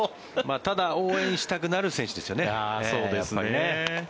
ただ応援したくなる選手ですよね、やっぱりね。